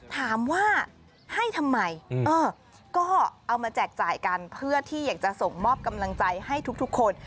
ถามว่าให้ทำไมก็เอามาแจกจ่ายกันเพื่อที่อยากจะส่งมอบกำลังใจให้ทุกคน